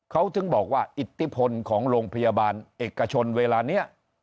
เขาถึงบอกว่าอิทธิพลของโรงพยาบาลเอกชนเวลานี้